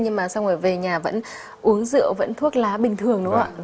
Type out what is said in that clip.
nhưng mà xong rồi về nhà vẫn uống rượu vẫn thuốc lá bình thường đúng không ạ